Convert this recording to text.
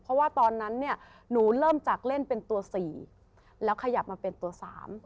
เพราะว่าตอนนั้นเนี่ยหนูเริ่มจากเล่นเป็นตัวสี่แล้วขยับมาเป็นตัวสาม